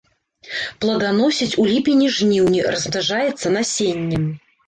Плоданасіць у ліпені-жніўні, размнажаецца насеннем.